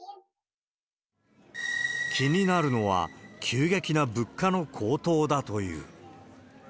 気になるのは、急激な物価の高騰だという。